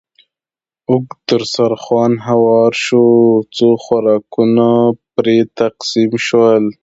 اوږد دسترخوان هوار شو، څو خوراکونه پرې تقسیم شول.